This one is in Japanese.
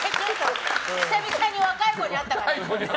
久々に若い子に会ったから。